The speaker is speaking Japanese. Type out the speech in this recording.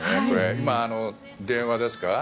今、電話ですか？